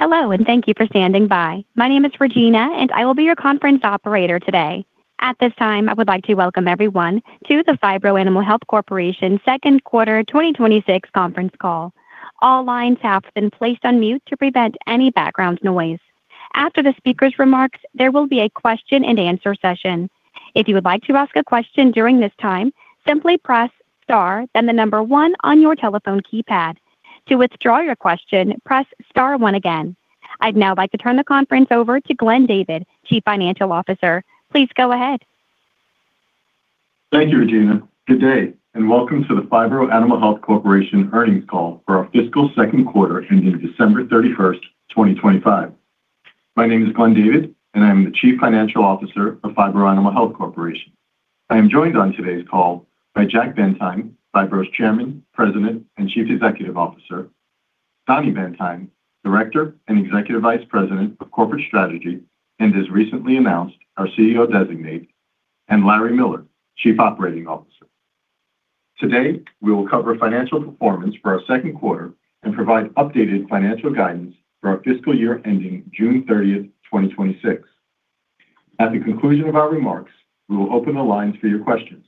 Hello, and thank you for standing by. My name is Regina, and I will be your conference operator today. At this time, I would like to welcome everyone to the Phibro Animal Health Corporation Second Quarter 2026 conference call. All lines have been placed on mute to prevent any background noise. After the speaker's remarks, there will be a question-and-answer session. If you would like to ask a question during this time, simply press Star, then the number one on your telephone keypad. To withdraw your question, press Star one again. I'd now like to turn the conference over to Glenn David, Chief Financial Officer. Please go ahead. Thank you, Regina. Good day, and welcome to the Phibro Animal Health Corporation earnings call for our fiscal second quarter ending December 31, 2025. My name is Glenn David, and I'm the Chief Financial Officer of Phibro Animal Health Corporation. I am joined on today's call by Jack Bendheim, Phibro's Chairman, President, and Chief Executive Officer, Donnie Bendheim, Director and Executive Vice President of Corporate Strategy, and as recently announced, our CEO Designate, and Larry Miller, Chief Operating Officer. Today, we will cover financial performance for our second quarter and provide updated financial guidance for our fiscal year ending June 30, 2026. At the conclusion of our remarks, we will open the lines for your questions.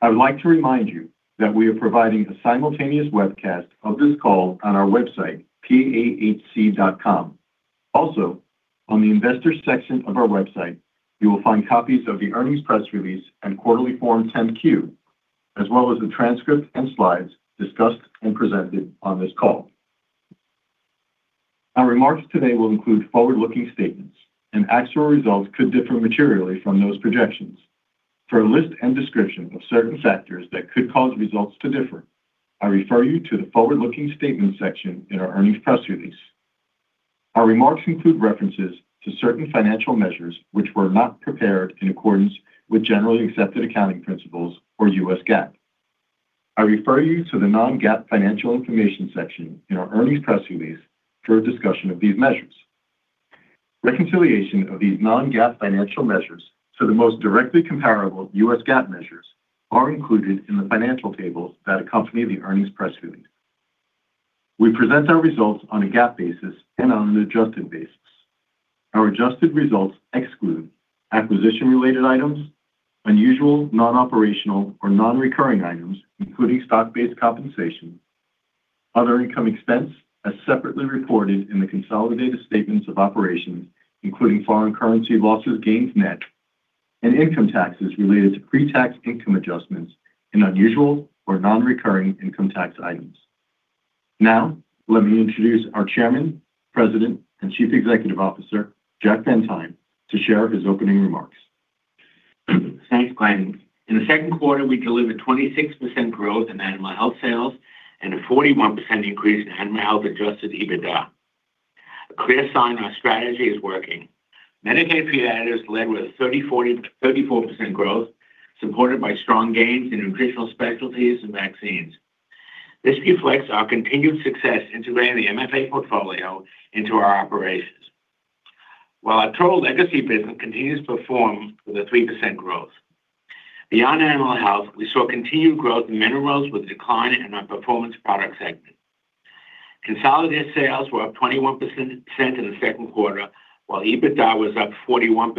I would like to remind you that we are providing a simultaneous webcast of this call on our website, pahc.com. Also, on the investor section of our website, you will find copies of the earnings press release and quarterly Form 10-Q, as well as the transcript and slides discussed and presented on this call. Our remarks today will include forward-looking statements, and actual results could differ materially from those projections. For a list and description of certain factors that could cause results to differ, I refer you to the forward-looking statement section in our earnings press release. Our remarks include references to certain financial measures, which were not prepared in accordance with generally accepted accounting principles or US GAAP. I refer you to the non-GAAP Financial Information section in our earnings press release for a discussion of these measures. Reconciliation of these non-GAAP financial measures to the most directly comparable US GAAP measures are included in the financial tables that accompany the earnings press release. We present our results on a GAAP basis and on an adjusted basis. Our adjusted results exclude acquisition-related items, unusual, non-operational, or non-recurring items, including stock-based compensation, other income expense as separately reported in the consolidated statements of operations, including foreign currency losses, gains net, and income taxes related to pre-tax income adjustments and unusual or non-recurring income tax items. Now, let me introduce our Chairman, President, and Chief Executive Officer, Jack Bendheim, to share his opening remarks. Thanks, Glenn. In the second quarter, we delivered 26% growth in animal health sales and a 41% increase in animal health adjusted EBITDA. A clear sign our strategy is working. Medicated feed additives led with a 34% growth, supported by strong gains in Nutritional Specialties and Vaccines. This reflects our continued success integrating the MFA portfolio into our operations, while our total legacy business continues to perform with a 3% growth. Beyond animal health, we saw continued growth in minerals with a decline in our Performance Products segment. Consolidated sales were up 21% in the second quarter, while EBITDA was up 41%.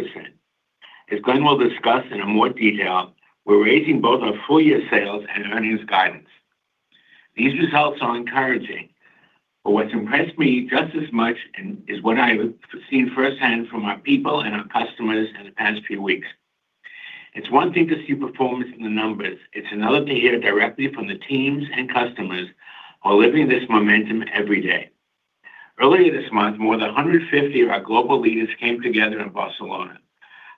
As Glenn will discuss in more detail, we're raising both our full-year sales and earnings guidance. These results are encouraging, but what's impressed me just as much and is what I've seen firsthand from our people and our customers in the past few weeks. It's one thing to see performance in the numbers, it's another to hear directly from the teams and customers who are living this momentum every day. Earlier this month, more than 150 of our global leaders came together in Barcelona,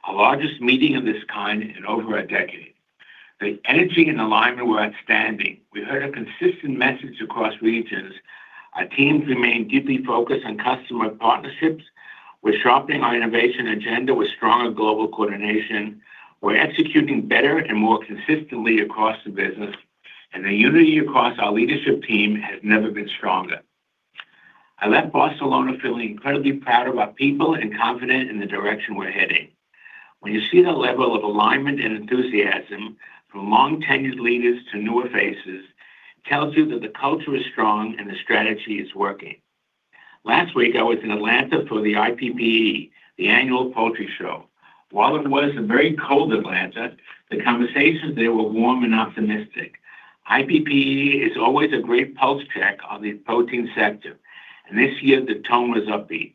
our largest meeting of this kind in over a decade. The energy and alignment were outstanding. We heard a consistent message across regions. Our teams remain deeply focused on customer partnerships. We're sharpening our innovation agenda with stronger global coordination. We're executing better and more consistently across the business, and the unity across our leadership team has never been stronger. I left Barcelona feeling incredibly proud of our people and confident in the direction we're heading. When you see the level of alignment and enthusiasm from long-tenured leaders to newer faces, tells you that the culture is strong and the strategy is working. Last week, I was in Atlanta for the IPPE, the annual poultry show. While it was a very cold Atlanta, the conversations there were warm and optimistic. IPPE is always a great pulse check on the protein sector, and this year the tone was upbeat.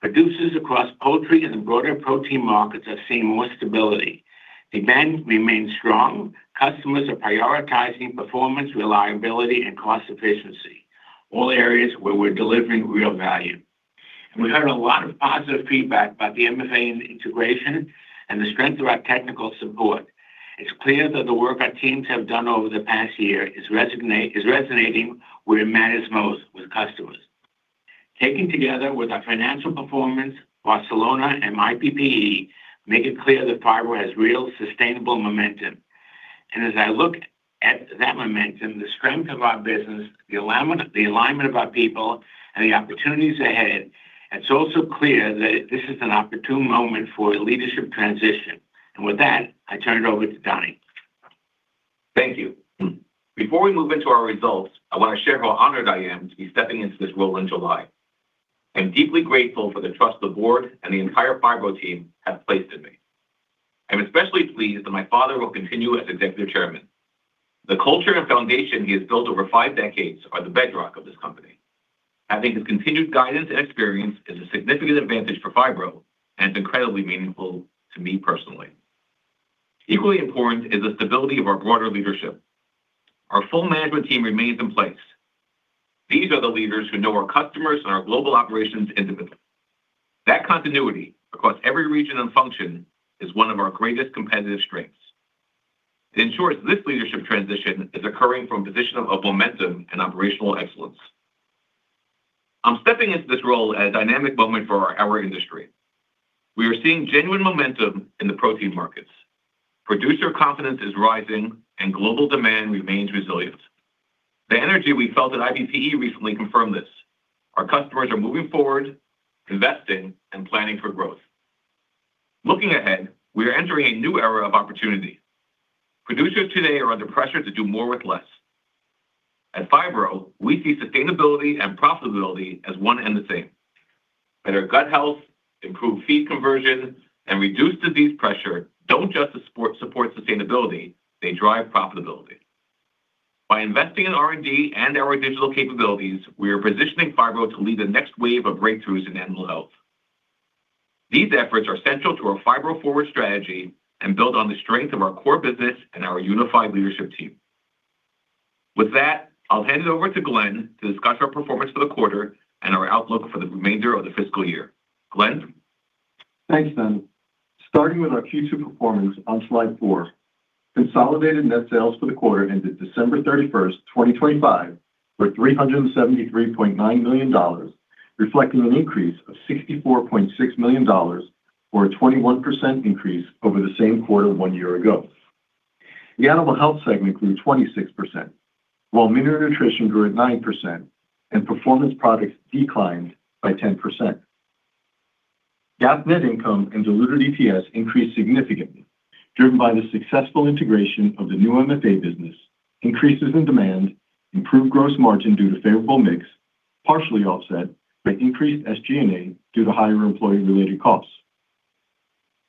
Producers across poultry and the broader protein markets are seeing more stability. Demand remains strong. Customers are prioritizing performance, reliability, and cost efficiency, all areas where we're delivering real value. We heard a lot of positive feedback about the MFA integration and the strength of our technical support. It's clear that the work our teams have done over the past year is resonating where it matters most with customers. Taken together with our financial performance, Barcelona and IPPE make it clear that Phibro has real sustainable momentum. And as I look at that momentum, the strength of our business, the alignment, the alignment of our people, and the opportunities ahead, it's also clear that this is an opportune moment for a leadership transition. And with that, I turn it over to Donnie.... Thank you. Before we move into our results, I want to share how honored I am to be stepping into this role in July. I'm deeply grateful for the trust the board and the entire Phibro team have placed in me. I'm especially pleased that my father will continue as executive chairman. The culture and foundation he has built over five decades are the bedrock of this company. Having his continued guidance and experience is a significant advantage for Phibro, and it's incredibly meaningful to me personally. Equally important is the stability of our broader leadership. Our full management team remains in place. These are the leaders who know our customers and our global operations individually. That continuity across every region and function is one of our greatest competitive strengths. It ensures this leadership transition is occurring from a position of momentum and operational excellence. I'm stepping into this role at a dynamic moment for our industry. We are seeing genuine momentum in the protein markets. Producer confidence is rising, and global demand remains resilient. The energy we felt at IPPE recently confirmed this. Our customers are moving forward, investing, and planning for growth. Looking ahead, we are entering a new era of opportunity. Producers today are under pressure to do more with less. At Phibro, we see sustainability and profitability as one and the same. Better gut health, improved feed conversion, and reduced disease pressure don't just support sustainability, they drive profitability. By investing in R&D and our digital capabilities, we are positioning Phibro to lead the next wave of breakthroughs in animal health. These efforts are central to our Phibro Forward strategy and build on the strength of our core business and our unified leadership team. With that, I'll hand it over to Glenn to discuss our performance for the quarter and our outlook for the remainder of the fiscal year. Glenn? Thanks, Dan. Starting with our Q2 performance on slide four, consolidated net sales for the quarter ended December 31, 2025, were $373.9 million, reflecting an increase of $64.6 million, or a 21% increase over the same quarter one year ago. The animal health segment grew 26%, while Mineral Nutrition grew at 9%, and Performance Products declined by 10%. GAAP net income and diluted EPS increased significantly, driven by the successful integration of the new MFA business, increases in demand, improved gross margin due to favorable mix, partially offset by increased SG&A due to higher employee-related costs.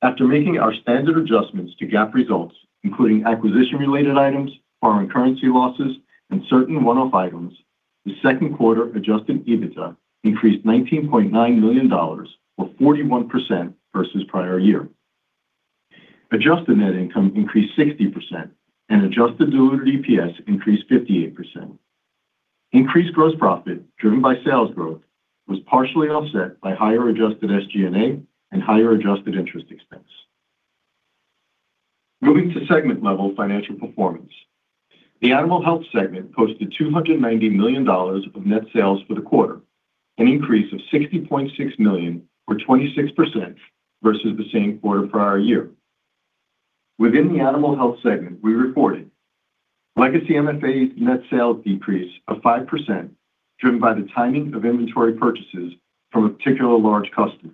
After making our standard adjustments to GAAP results, including acquisition-related items, foreign currency losses, and certain one-off items, the second quarter adjusted EBITDA increased $19.9 million, or 41% versus prior year. Adjusted net income increased 60%, and adjusted diluted EPS increased 58%. Increased gross profit, driven by sales growth, was partially offset by higher adjusted SG&A and higher adjusted interest expense. Moving to segment-level financial performance. The animal health segment posted $290 million of net sales for the quarter, an increase of $60.6 million or 26% versus the same quarter prior year. Within the animal health segment, we reported legacy MFA net sales decrease of 5%, driven by the timing of inventory purchases from a particular large customer.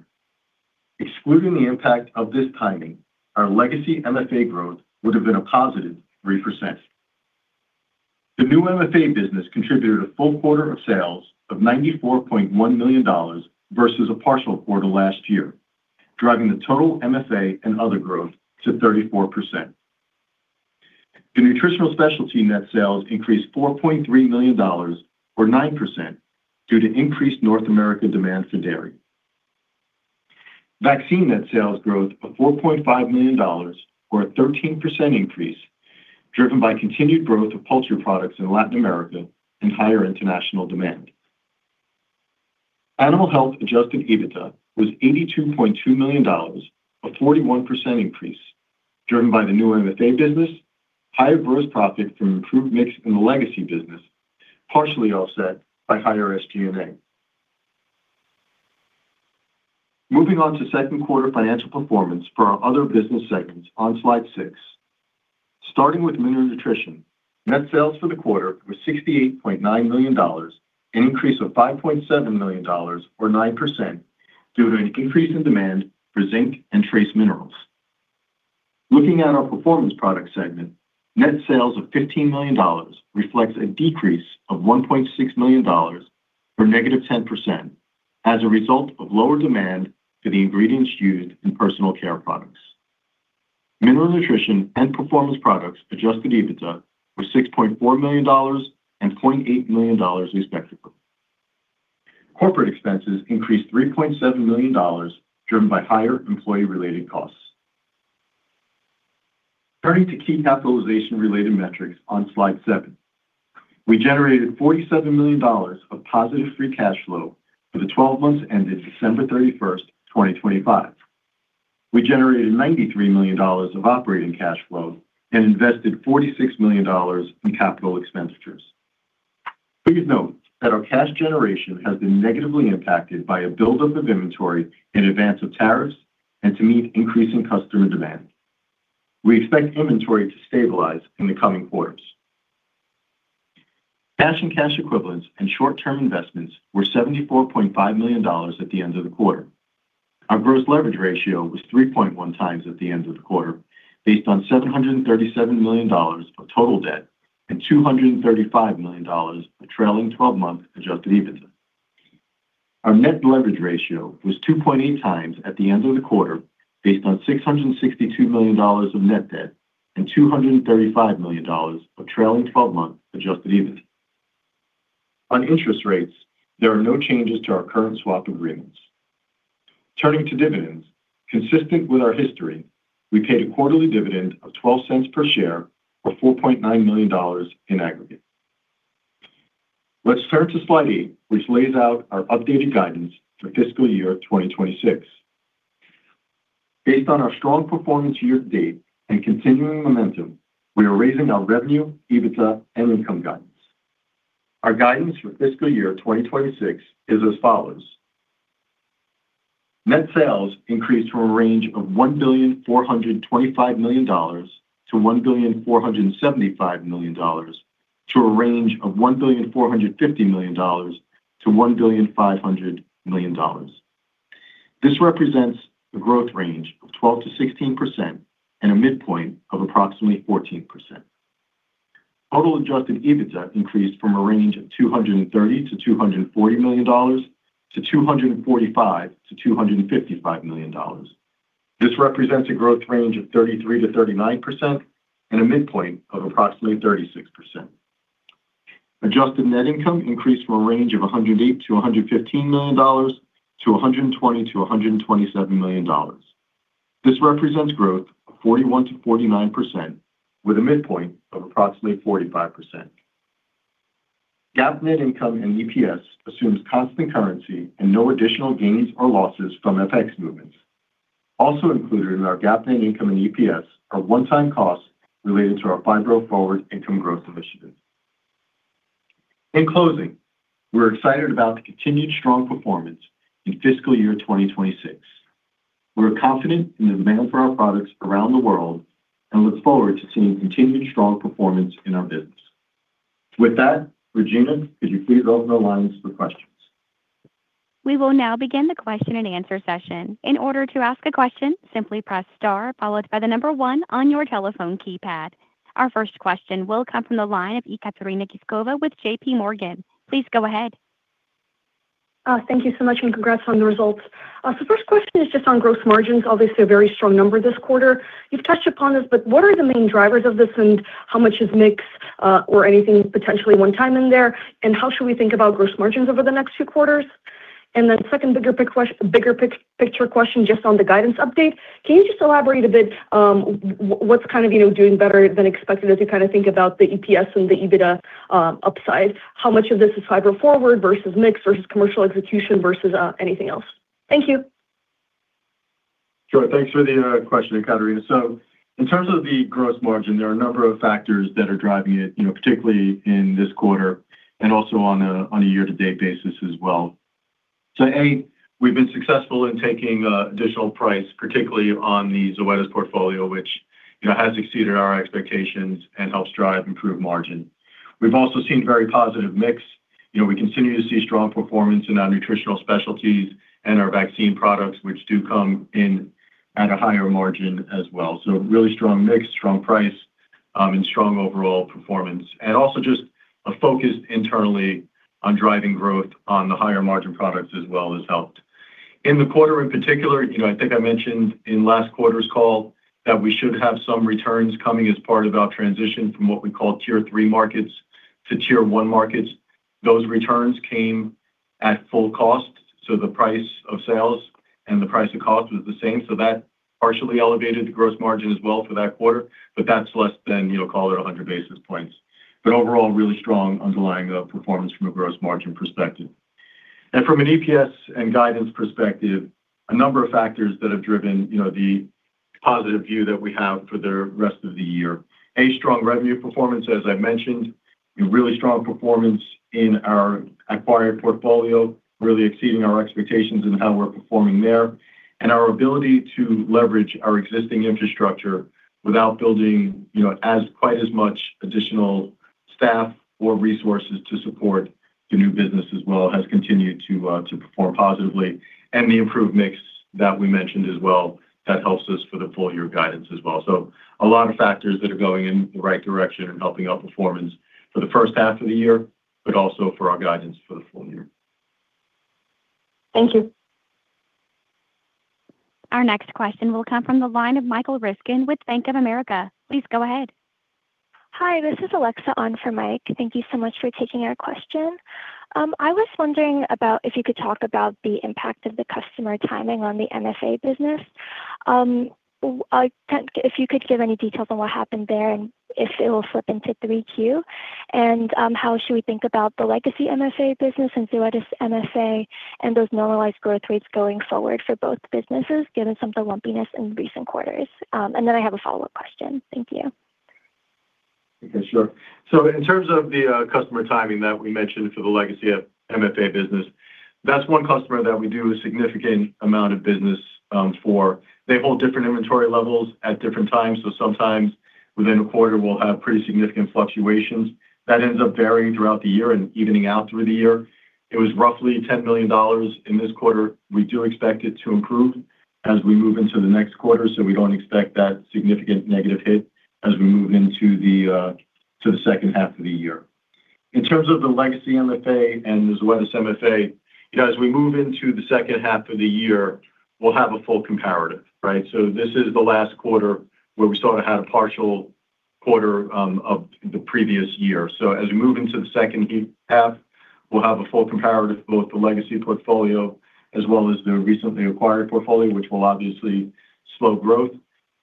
Excluding the impact of this timing, our legacy MFA growth would have been a +3%. The new MFA business contributed a full quarter of sales of $94.1 million versus a partial quarter last year, driving the total MFA and other growth to 34%. The nutritional specialty net sales increased $4.3 million or 9% due to increased North American demand for dairy. Vaccine net sales growth of $4.5 million, or a 13% increase, driven by continued growth of poultry products in Latin America and higher international demand. Animal Health adjusted EBITDA was $82.2 million, a 41% increase, driven by the new MFA business, higher gross profit from improved mix in the legacy business, partially offset by higher SG&A. Moving on to second quarter financial performance for our other business segments on slide six. Starting with mineral nutrition, net sales for the quarter were $68.9 million, an increase of $5.7 million, or 9%, due to an increase in demand for zinc and trace minerals. Looking at our Performance Products segment, net sales of $15 million reflects a decrease of $1.6 million, or -10%, as a result of lower demand for the ingredients used in personal care products. Mineral nutrition and performance products Adjusted EBITDA were $6.4 million and $0.8 million, respectively. Corporate expenses increased $3.7 million, driven by higher employee-related costs. Turning to key capitalization-related metrics on slide seven. We generated $47 million of positive free cash flow for the twelve months ended December 31, 2025. We generated $93 million of operating cash flow and invested $46 million in capital expenditures. Please note that our cash generation has been negatively impacted by a buildup of inventory in advance of tariffs and to meet increasing customer demand. We expect inventory to stabilize in the coming quarters. Cash and cash equivalents and short-term investments were $74.5 million at the end of the quarter. Our gross leverage ratio was 3.1x at the end of the quarter, based on $737 million of total debt and $235 million of trailing twelve-month adjusted EBITDA. Our net leverage ratio was 2.8x at the end of the quarter, based on $662 million of net debt and $235 million of trailing twelve-month adjusted EBITDA. On interest rates, there are no changes to our current swap agreements. Turning to dividends, consistent with our history, we paid a quarterly dividend of $0.12 per share, or $4.9 million in aggregate. Let's turn to slide eight, which lays out our updated guidance for fiscal year 2026. Based on our strong performance year to date and continuing momentum, we are raising our revenue, EBITDA, and income guidance. Our guidance for fiscal year 2026 is as follows: Net sales increased from a range of $1.425 billion-$1.475 billion to a range of $1.45 billion-$1.5 billion. This represents a growth range of 12%-16% and a midpoint of approximately 14%. Total adjusted EBITDA increased from a range of $230 million-$240 million-$245 million-$255 million. This represents a growth range of 33%-39% and a midpoint of approximately 36%. Adjusted net income increased from a range of $108 million-$115 million-$120 million-$127 million. This represents growth of 41%-49%, with a midpoint of approximately 45%. GAAP net income and EPS assumes constant currency and no additional gains or losses from FX movements. Also included in our GAAP net income and EPS are one-time costs related to our Phibro Forward income growth initiative. In closing, we're excited about the continued strong performance in fiscal year 2026. We're confident in the demand for our products around the world and look forward to seeing continued strong performance in our business. With that, Regina, could you please open the lines for questions? We will now begin the question and answer session. In order to ask a question, simply press star followed by the number one on your telephone keypad. Our first question will come from the line of Ekaterina Knyazkova with JPMorgan. Please go ahead. Thank you so much, and congrats on the results. So first question is just on gross margins. Obviously, a very strong number this quarter. You've touched upon this, but what are the main drivers of this, and how much is mix, or anything potentially one-time in there? And how should we think about gross margins over the next few quarters? And then second, bigger picture question, just on the guidance update, can you just elaborate a bit, what's kind of, you know, doing better than expected as you kinda think about the EPS and the EBITDA, upside? How much of this is Phibro Forward versus mix versus commercial execution versus, anything else? Thank you. Sure. Thanks for the question, Ekaterina. So in terms of the gross margin, there are a number of factors that are driving it, you know, particularly in this quarter and also on a year-to-date basis as well. So, A, we've been successful in taking additional price, particularly on the Zoetis portfolio, which, you know, has exceeded our expectations and helps drive improved margin. We've also seen very positive mix. You know, we continue to see strong performance in our nutritional specialties and our vaccine products, which do come in at a higher margin as well. So really strong mix, strong price, and strong overall performance, and also just a focus internally on driving growth on the higher margin products as well has helped. In the quarter in particular, you know, I think I mentioned in last quarter's call that we should have some returns coming as part of our transition from what we call Tier Three markets to Tier One markets. Those returns came at full cost, so the price of sales and the price of cost was the same, so that partially elevated the gross margin as well for that quarter, but that's less than, you know, call it 100 basis points. But overall, really strong underlying performance from a gross margin perspective. And from an EPS and guidance perspective, a number of factors that have driven, you know, the positive view that we have for the rest of the year. A strong revenue performance, as I mentioned, a really strong performance in our acquired portfolio, really exceeding our expectations in how we're performing there. Our ability to leverage our existing infrastructure without building, you know, as quite as much additional staff or resources to support the new business as well has continued to perform positively. The improved mix that we mentioned as well, that helps us for the full year guidance as well. A lot of factors that are going in the right direction and helping our performance for the first half of the year, but also for our guidance for the full year. Thank you. Our next question will come from the line of Michael Ryskin with Bank of America. Please go ahead. Hi, this is Alexa on for Mike. Thank you so much for taking our question. I was wondering about if you could talk about the impact of the customer timing on the MFA business. If you could give any details on what happened there and if it will slip into three Q, and, how should we think about the legacy MFA business and Zoetis MFA and those normalized growth rates going forward for both businesses, given some of the lumpiness in recent quarters? And then I have a follow-up question. Thank you. Okay, sure. So in terms of the customer timing that we mentioned for the legacy of MFA business, that's one customer that we do a significant amount of business for. They hold different inventory levels at different times, so sometimes within a quarter, we'll have pretty significant fluctuations. That ends up varying throughout the year and evening out through the year. It was roughly $10 million in this quarter. We do expect it to improve as we move into the next quarter, so we don't expect that significant negative hit as we move into the to the second half of the year. In terms of the legacy MFA and the Zoetis MFA, you know, as we move into the second half of the year, we'll have a full comparative, right? So this is the last quarter where we sort of had a partial quarter of the previous year. So as we move into the second half, we'll have a full comparative, both the legacy portfolio as well as the recently acquired portfolio, which will obviously slow growth.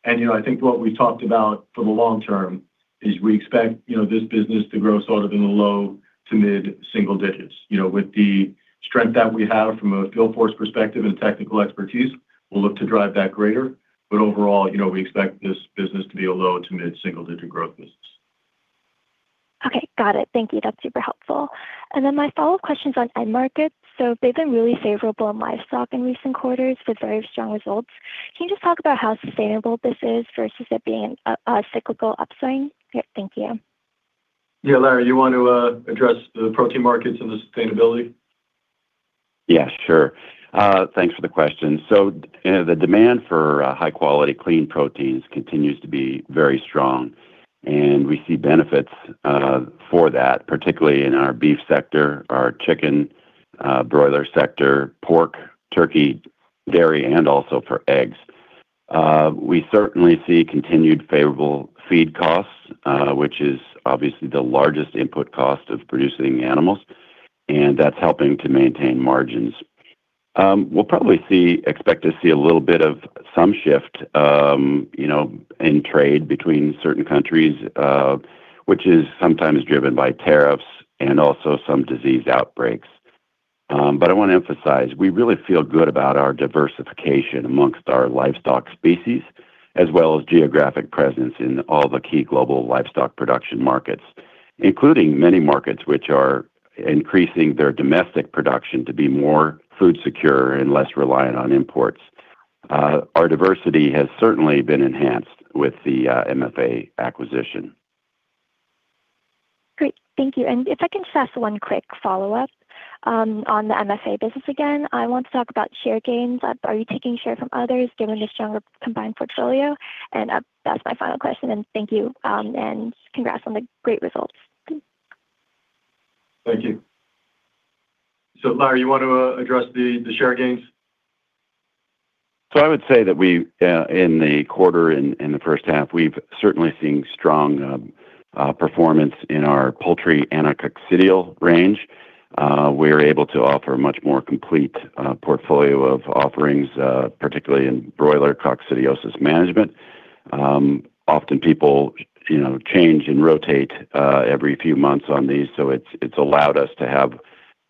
And, you know, I think what we talked about for the long term is we expect, you know, this business to grow sort of in the low to mid-single digits. You know, with the strength that we have from a sales force perspective and technical expertise, we'll look to drive that greater. But overall, you know, we expect this business to be a low to mid-single-digit growth business. Okay, got it. Thank you. That's super helpful. And then my follow-up question is on end markets. So they've been really favorable in livestock in recent quarters with very strong results. Can you just talk about how sustainable this is versus it being a, a cyclical upswing? Yeah, thank you. Yeah, Larry, you want to address the protein markets and the sustainability? Yeah, sure. Thanks for the question. So, the demand for high-quality, clean proteins continues to be very strong, and we see benefits for that, particularly in our beef sector, our chicken broiler sector, pork, turkey, dairy, and also for eggs. We certainly see continued favorable feed costs, which is obviously the largest input cost of producing animals, and that's helping to maintain margins. We'll probably expect to see a little bit of some shift, you know, in trade between certain countries, which is sometimes driven by tariffs and also some disease outbreaks. But I want to emphasize, we really feel good about our diversification amongst our livestock species, as well as geographic presence in all the key global livestock production markets, including many markets which are increasing their domestic production to be more food secure and less reliant on imports. Our diversity has certainly been enhanced with the MFA acquisition. Great. Thank you. And if I can just ask one quick follow-up, on the MFA business again. I want to talk about share gains. Are you taking share from others, given the stronger combined portfolio? And, that's my final question, and thank you, and congrats on the great results. Thank you. So, Larry, you want to address the share gains? So I would say that we in the quarter and, and the first half, we've certainly seen strong performance in our poultry and anticoccidial range. We're able to offer a much more complete portfolio of offerings, particularly in broiler coccidiosis management. Often people, you know, change and rotate every few months on these, so it's, it's allowed us to have,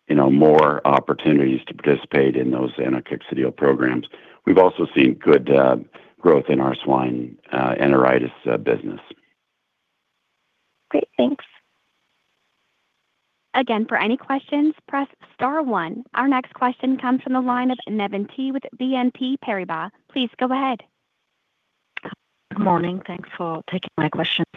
you know, more opportunities to participate in those anticoccidial programs. We've also seen good growth in our swine enteritis business. Great, thanks. Again, for any questions, press star one. Our next question comes from the line of Navann Ty with BNP Paribas. Please go ahead. Good morning. Thanks for taking my questions.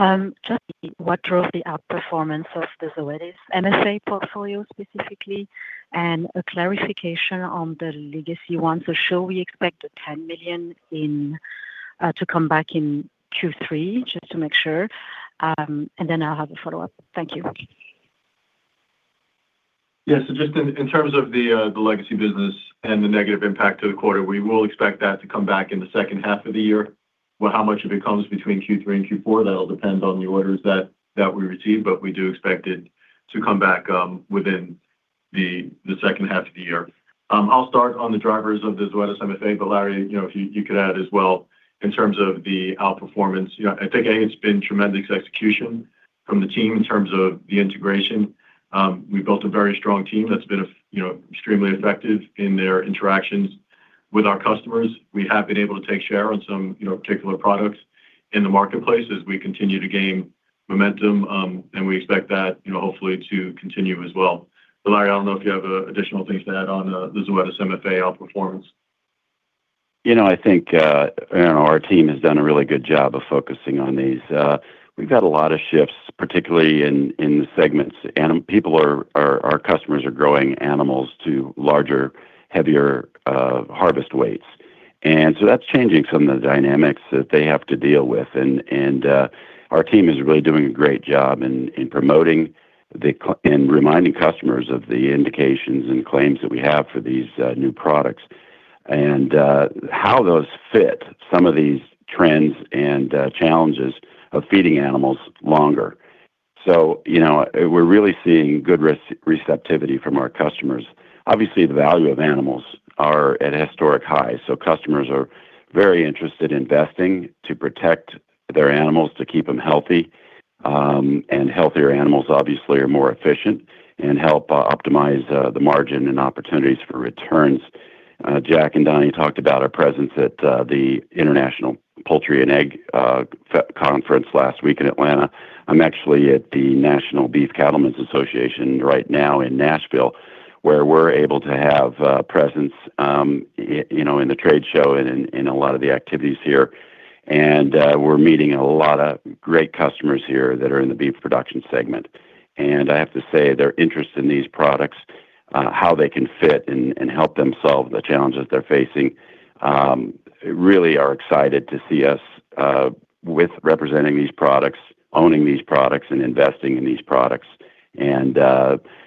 Just what drove the outperformance of the Zoetis MFA portfolio specifically, and a clarification on the legacy one. So should we expect the $10 million in to come back in Q3, just to make sure? And then I'll have a follow-up. Thank you. Yes, so just in, in terms of the, the legacy business and the negative impact to the quarter, we will expect that to come back in the second half of the year. Well, how much of it comes between Q3 and Q4, that'll depend on the orders that, that we receive, but we do expect it to come back within the, the second half of the year. I'll start on the drivers of the Zoetis MFA, but, Larry, you know, if you, you could add as well in terms of the outperformance. You know, I think it's been tremendous execution from the team in terms of the integration. We've built a very strong team that's been, you know, extremely effective in their interactions with our customers. We have been able to take share on some, you know, particular products in the marketplace as we continue to gain momentum, and we expect that, you know, hopefully to continue as well. But, Larry, I don't know if you have additional things to add on the Zoetis MFA outperformance. You know, I think, I don't know, our team has done a really good job of focusing on these. We've got a lot of shifts, particularly in the segments. Our customers are growing animals to larger, heavier harvest weights. And so that's changing some of the dynamics that they have to deal with. And our team is really doing a great job in promoting and reminding customers of the indications and claims that we have for these new products and how those fit some of these trends and challenges of feeding animals longer. So, you know, we're really seeing good receptivity from our customers. Obviously, the value of animals are at a historic high, so customers are very interested in investing to protect their animals, to keep them healthy. Healthier animals obviously are more efficient and help optimize the margin and opportunities for returns. Jack and Donnie talked about our presence at the International Production and Processing Expo last week in Atlanta. I'm actually at the National Cattlemen's Beef Association right now in Nashville.... where we're able to have presence, you know, in the trade show and in a lot of the activities here. And we're meeting a lot of great customers here that are in the beef production segment. And I have to say, their interest in these products, how they can fit and help them solve the challenges they're facing, really are excited to see us with representing these products, owning these products, and investing in these products. And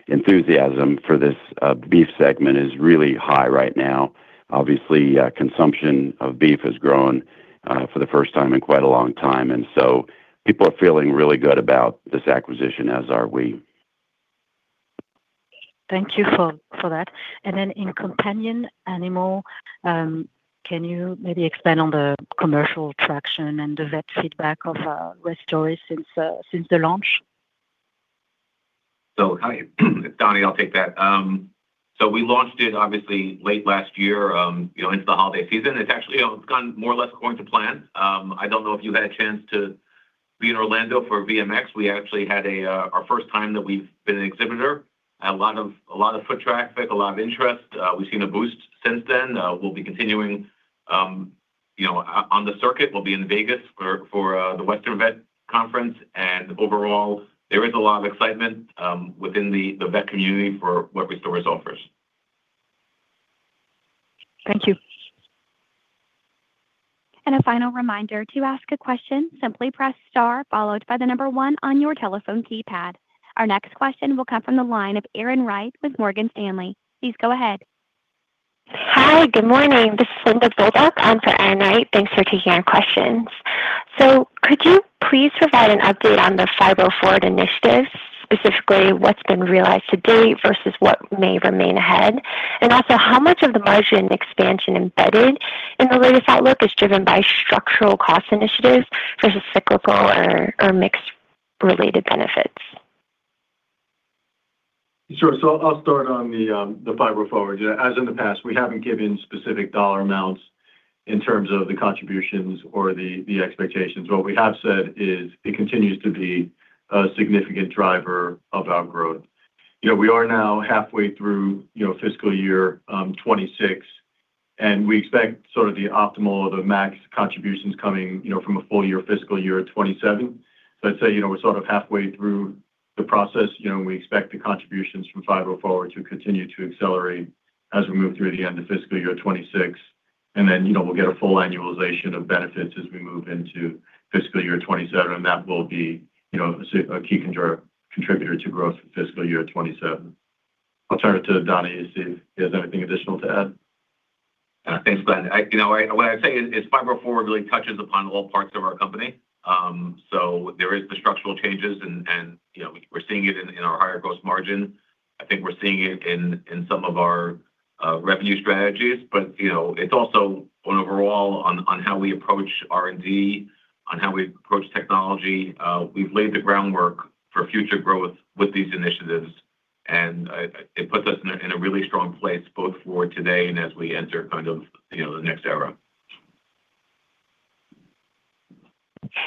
enthusiasm for this beef segment is really high right now. Obviously, consumption of beef has grown for the first time in quite a long time, and so people are feeling really good about this acquisition, as are we. Thank you for that. And then in companion animal, can you maybe expand on the commercial traction and the vet feedback of Restoris since the launch? So, Donnie, I'll take that. So we launched it obviously late last year, you know, into the holiday season. It's actually gone more or less according to plan. I don't know if you had a chance to be in Orlando for VMX. We actually had our first time that we've been an exhibitor. Had a lot of, a lot of foot traffic, a lot of interest. We've seen a boost since then. We'll be continuing, you know, on the circuit. We'll be in Vegas for the Western Vet Conference, and overall, there is a lot of excitement within the vet community for what Restoris offers. Thank you. A final reminder, to ask a question, simply press star, followed by the number one on your telephone keypad. Our next question will come from the line of Erin Wright with Morgan Stanley. Please go ahead. Hi, good morning. This is Linda Bolduc, on for Erin Wright. Thanks for taking our questions. So could you please provide an update on the Phibro Forward initiative, specifically what's been realized to date versus what may remain ahead? And also, how much of the margin expansion embedded in the latest outlook is driven by structural cost initiatives versus cyclical or mixed related benefits? Sure. I'll start on the Phibro Forward. As in the past, we haven't given specific dollar amounts in terms of the contributions or the expectations. What we have said is it continues to be a significant driver of our growth. You know, we are now halfway through fiscal year 2026, and we expect sort of the optimal or the max contributions coming from a full year, fiscal year 2027. Let's say, you know, we're sort of halfway through the process. You know, we expect the contributions from Phibro Forward to continue to accelerate as we move through the end of fiscal year 2026. And then, you know, we'll get a full annualization of benefits as we move into fiscal year 2027, and that will be a key contributor to growth for fiscal year 2027. I'll turn it to Donnie to see if he has anything additional to add. Thanks, Glenn. You know, what I'd say is, Phibro Forward really touches upon all parts of our company. So there is the structural changes and, you know, we're seeing it in our higher gross margin. I think we're seeing it in some of our revenue strategies. But, you know, it's also overall on how we approach R&D, on how we approach technology. We've laid the groundwork for future growth with these initiatives, and it puts us in a really strong place, both for today and as we enter kind of, you know, the next era.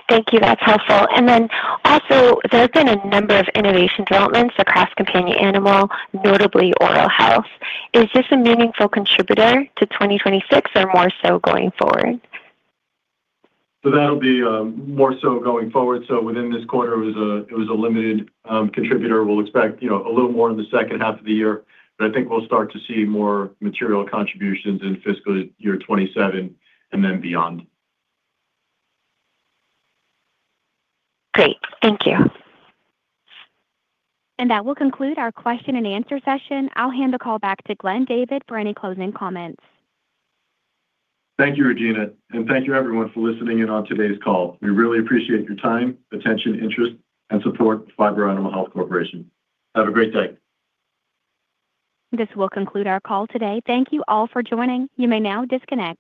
Thank you. That's helpful. Then also, there have been a number of innovation developments across companion animal, notably oral health. Is this a meaningful contributor to 2026 or more so going forward? That'll be more so going forward. Within this quarter, it was a limited contributor. We'll expect, you know, a little more in the second half of the year, but I think we'll start to see more material contributions in fiscal year 2027 and then beyond. Great. Thank you. That will conclude our question and answer session. I'll hand the call back to Glenn David for any closing comments. Thank you, Regina, and thank you everyone for listening in on today's call. We really appreciate your time, attention, interest, and support for Phibro Animal Health Corporation. Have a great day. This will conclude our call today. Thank you all for joining. You may now disconnect.